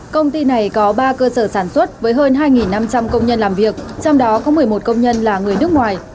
công ty này có ba cơ sở sản xuất với hơn hai năm trăm linh công nhân làm việc trong đó có một mươi một công nhân là người nước ngoài